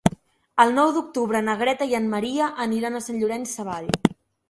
El nou d'octubre na Greta i en Maria aniran a Sant Llorenç Savall.